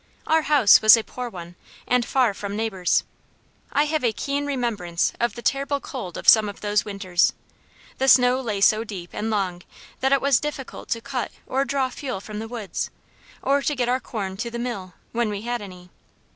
Our house was a poor one, and far from neighbors. I have a keen remembrance of the terrible cold of some of those winters. The snow lay so deep and long, that it was difficult to cut or draw fuel from the woods, or to get our corn to the mill, when we had any.